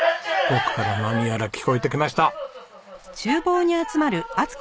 奥から何やら聞こえてきました。